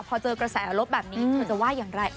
พอเจอกระแสลบแบบนี้เธอจะว่าอย่างไร